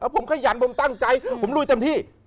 ผมขยันผมตั้งใจผมรู้จำที่